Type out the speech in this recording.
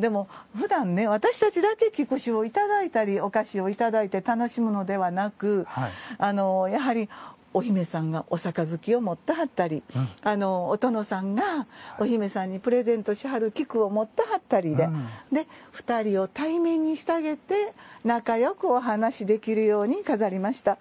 でも、ふだん私たちだけ菊酒をいただいたりお菓子をいただいたり楽しむのではなくやはり、お姫さんがお盃を持ってはったりお殿さんが、お姫さんにプレゼントする菊を持ってはったりって２人を対面にしてあげて仲よくお話できるように飾りました。